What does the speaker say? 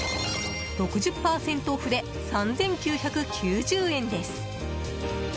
６０％オフで３９９０円です。